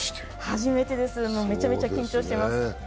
初めてです、めちゃめちゃ緊張してます。